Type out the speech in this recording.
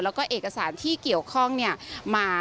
แล้วก็เอกสารที่เกี่ยวข้องมา